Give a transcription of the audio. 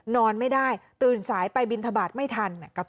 นอนไม่ได้ตื่นสายไปบินทบาทไม่ทัน